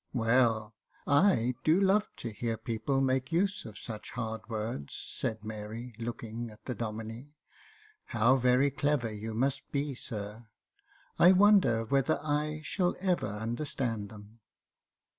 " Well, I do love to hear people make use of such hard words," said Mary, looking at the Domine. " How very clever you must be, sir ! I wonder whether I shall ever understand them